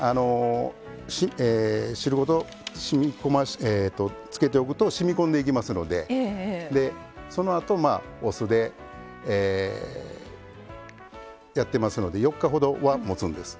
汁ごとつけておくとしみこんでいきますのでそのあと、お酢でやってますので４日ほどは、もつんです。